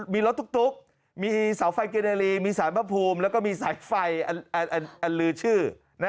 มีรถตุ๊กมีเสาไฟเกณรีมีสารพระภูมิแล้วก็มีสายไฟอันลือชื่อ